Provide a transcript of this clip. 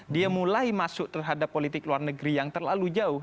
dia mulai masuk terhadap politik luar negeri yang terlalu jauh